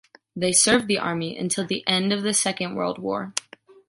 They served the army until the end of the Second World War.